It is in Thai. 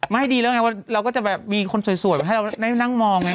ไม่ดีแล้วไงว่าเราก็จะแบบมีคนสวยให้เรานั่งมองไหมค่ะ